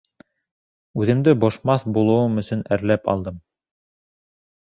Үҙемде бошмаҫ булыуым өсөн әрләп алдым.